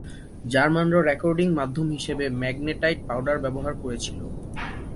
German রা recording মাধ্যম হিসাবে ম্যাগনেটাইট পাউডার ব্যবহার করেছিল।